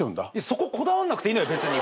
そここだわんなくていいのよ別に。